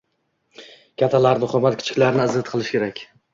Kattalarni hurmat, kichiklarni izzat qilish kerak.